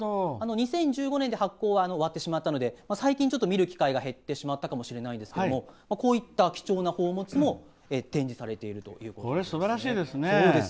２０１５年で発行は終わってしまったので最近見る機会は減ってしまったかもしれないんですけれどもこういった貴重な宝物も展示されているということですね。